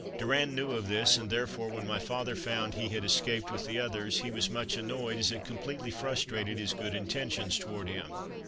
Durand knew of this, and, therefore, when my father found he had escaped with the others, he was much annoyed as it completely frustrated his good intentions towards him.